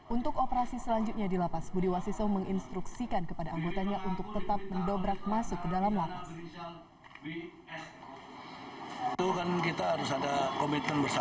untuk operasi selanjutnya di lapas budi wasiso menginstruksikan kepada anggotanya untuk tetap mendobrak masuk ke dalam lapas